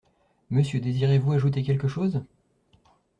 Monsieur, désirez-vous ajouter quelque chose?